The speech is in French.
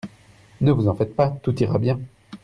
Ne vous en faites pas. Tout ira bien.